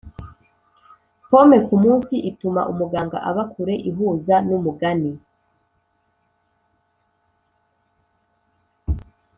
pome kumunsi ituma umuganga aba kure ihuza numugani